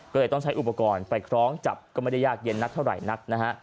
ก็เลยต้องใช้อุปกรณ์ไปคล้องจับก็ไม่ได้ยากเย็นนักเท่าไหร่นักนะฮะ